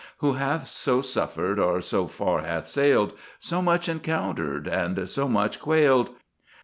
Who hath so suffered, or so far hath sailed, So much encountered, and so little quailed?